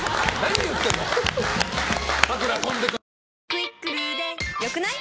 「『クイックル』で良くない？」